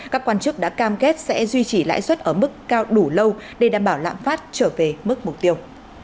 các quan chức đã cam kết sẽ duy trì lãi suất ở mức cao đủ lâu để đảm bảo lãm phát trở về mức mục tiêu